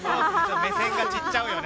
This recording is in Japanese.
目線が散っちゃうよね